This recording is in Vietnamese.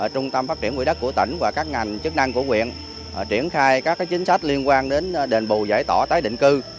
trung tâm phát triển quỹ đất của tỉnh và các ngành chức năng của quyện triển khai các chính sách liên quan đến đền bù giải tỏa tái định cư